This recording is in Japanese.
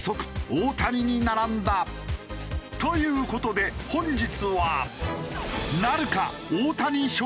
大谷に並んだ。という事で本日は。